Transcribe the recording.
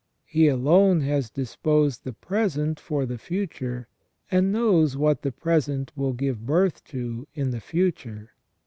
He alone has disposed the present for the future, and knows what the present will give birth to in the future.